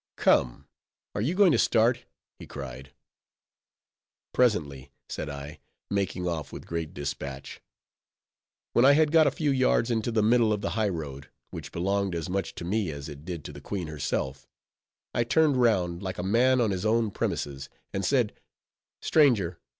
"Come, are you going to start?" he cried. "Presently," said I, making off with great dispatch. When I had got a few yards into the middle of the highroad (which belonged as much to me as it did to the queen herself), I turned round, like a man on his own premises, and said— "Stranger!